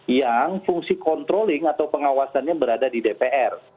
yang fungsi controlling atau pengawasannya berada di dpr